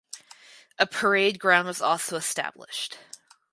A parade ground was also established.